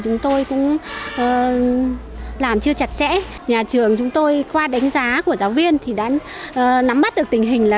nắm mắt được tình hình là các cháu